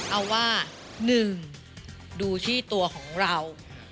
เอาว่า๑ดูที่ตัวของเรา